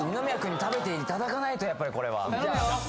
やっぱりこれは頼むよ